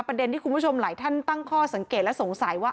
ประเด็นที่คุณผู้ชมหลายท่านตั้งข้อสังเกตและสงสัยว่า